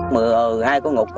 mùa hai con ngục